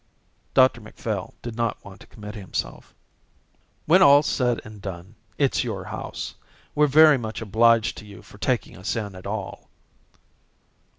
Dr Macphail did not want to commit himself. "When all's said and done it's your house. We're very much obliged to you for taking us in at all."